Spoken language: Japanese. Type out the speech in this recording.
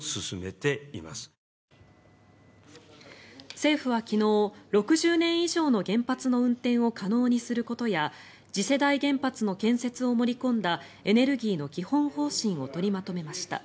政府は昨日６０年以上の原発の運転を可能にすることや次世代原発の建設を盛り込んだエネルギーの基本方針を取りまとめました。